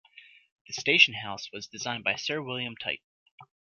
The station-house was designed by Sir William Tite.